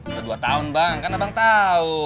udah dua tahun bang kan abang tahu